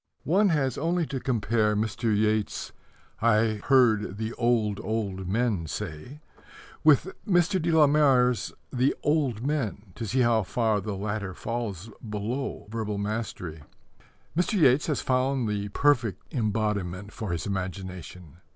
One has only to compare Mr. Yeats's I Heard the Old, Old Men Say with Mr. de la Mare's The Old Men to see how far the latter falls below verbal mastery. Mr. Yeats has found the perfect embodiment for his imagination.